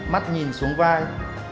mắt nhìn xuống vai